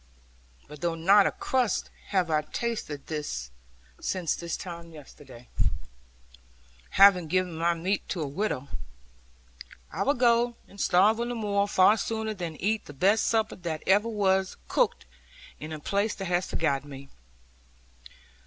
But though not a crust have I tasted since this time yesterday, having given my meat to a widow, I will go and starve on the moor far sooner than eat the best supper that ever was cooked, in a place that has forgotten me.'